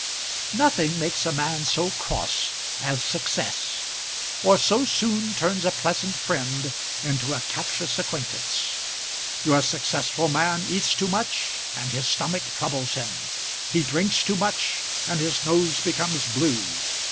Nothing makes a man so cross as success, or so soon turns a pleasant friend into a captious acquaintance. Your successful man eats too much and his stomach troubles him; he drinks too much and his nose becomes blue.